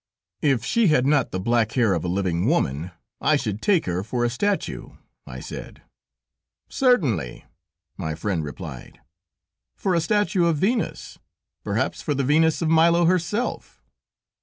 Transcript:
"If she had not the black hair of a living woman, I should take her for a statue," I said. "Certainly," my friend replied; "for a statue of Venus, perhaps for the Venus of Milo, herself."